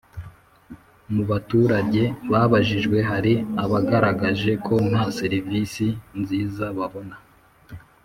Mu baturage babajijwe, hari abagaragaje ko nta serivisi nziza babona